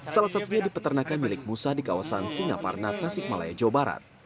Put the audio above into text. salah satunya di peternakan milik musa di kawasan singaparna tasikmalaya jawa barat